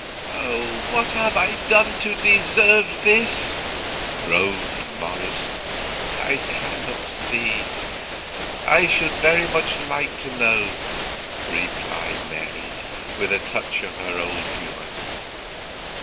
"What have I done to deserve this?" groaned Morris. "I cannot see. I should very much like to know," replied Mary, with a touch of her old humour.